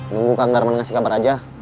nunggu kang darman ngasih kabar aja